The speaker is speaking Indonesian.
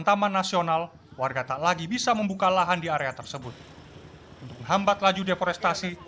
taman nasional warga tak lagi bisa membuka lahan di area tersebut untuk menghambat laju deforestasi